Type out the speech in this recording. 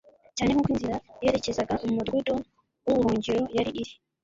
cyane nkuko inzira yerekezaga mu mudugudu wubuhungiro yari iri